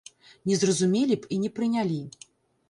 Не зразумелі б і не прынялі.